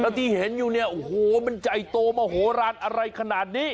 ที่เห็นอยู่เนี่ยโอ้โหมันใหญ่โตมโหลานอะไรขนาดนี้